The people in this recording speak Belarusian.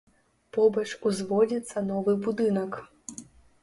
Побач узводзіцца новы будынак.